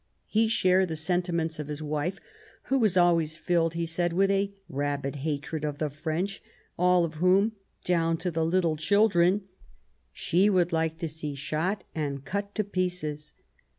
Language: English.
He shared the sentiments of his wife, who was "always filled," he said, " with a rabid hatred of the French, all of whom, down to the little children, she would like to see shot and cut to pieces."